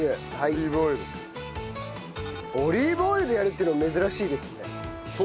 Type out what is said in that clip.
オリーブオイルでやるっていうの珍しいですねなんかね。